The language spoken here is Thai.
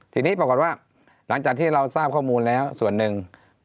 ทีนี้ปรากฏว่าหลังจากที่เราทราบข้อมูลแล้วส่วนหนึ่ง